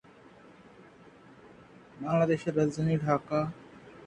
In Mozambique, his native servant stole a box of Havanas and his false teeth.